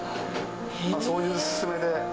そういう勧めで。